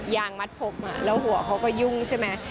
งมัดผมแล้วหัวเขาก็ยุ่งใช่ไหม